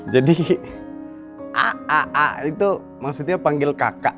jadi a a a itu maksudnya panggil kakak